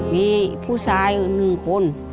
มีผู้ชาย๑คน